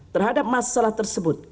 terhadap masalah tersebut